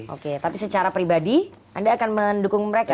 oke tapi secara pribadi anda akan mendukung mereka